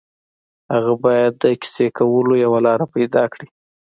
هغه باید د کیسې کولو یوه لاره پيدا کړي